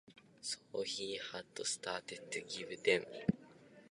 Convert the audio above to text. So he had started to give them land and stopped killing and hunting them.